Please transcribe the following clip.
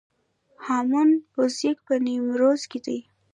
هامون پوزک په نیمروز کې دی